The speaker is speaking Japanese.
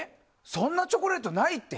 そんなチョコレートないって？